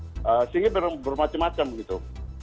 sehingga bermacam macam gitu